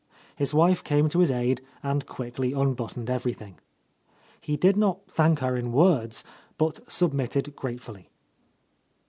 His wife came to his aid and quickly unbuttoned everything. He did not thank her in words, but submitted grate fully.